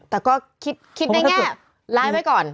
แต่ก็คิดในแง่ร้ายไว้ก่อน